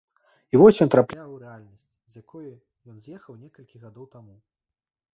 І вось ён трапляе ў рэальнасць, з якой ён з'ехаў некалькі гадоў таму.